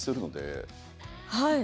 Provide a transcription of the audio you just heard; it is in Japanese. はい。